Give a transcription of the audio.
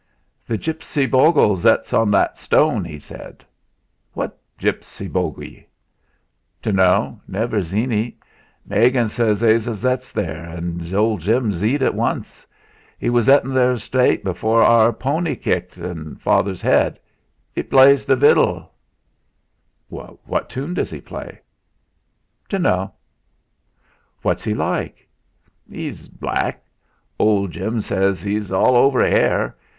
"The gipsy bogle zets on that stone," he said. "What gipsy bogie?" "Dunno; never zeen 'e. Megan zays 'e zets there; an' old Jim zeed 'e once. 'E was zettin' there naight afore our pony kicked in father's '.ad. 'E plays the viddle." "What tune does he play?" "Dunno." "What's he like?" "'E's black. Old Jim zays 'e's all over 'air.